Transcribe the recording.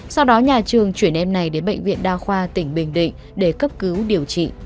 sau đó nhà trường chuyển em này đến bệnh viện đa khoa tỉnh bình định để cấp cứu điều trị